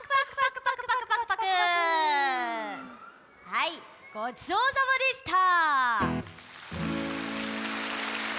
はいごちそうさまでした。